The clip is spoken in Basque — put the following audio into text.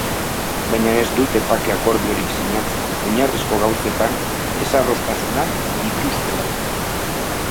Baina ez dute bake akordiorik sinatzen oinarrizko gauzetan ezadostasunak dituztelako.